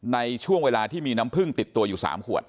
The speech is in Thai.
ในช่วงเวลาที่มีน้ำผึ้งติดตัวอยู่๓ขวด